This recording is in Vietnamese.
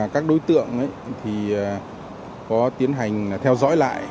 các đối tượng có tiến hành theo dõi lại